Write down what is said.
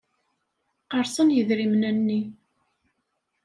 Qqersen yidrimen-nni.